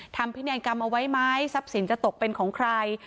พินัยกรรมเอาไว้ไหมทรัพย์สินจะตกเป็นของใคร